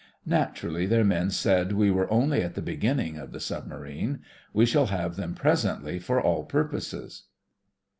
Nat urally their men say that we are only at the beginning of the submarine. We shall have them presently for all purposes.